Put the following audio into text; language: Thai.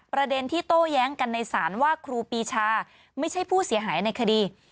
ประเด็นที่โต้แย้งกันในศาลว่าครูปีชาไม่ใช่ผู้เสียหายในคดี